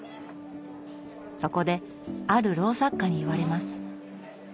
そこである老作家に言われます。